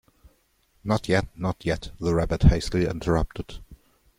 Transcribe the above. ‘Not yet, not yet!’ the Rabbit hastily interrupted.